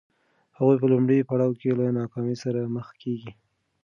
هغوی په لومړي پړاو کې له ناکامۍ سره مخ کېږي.